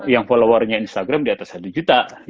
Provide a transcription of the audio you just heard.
yang followernya instagram di atas satu juta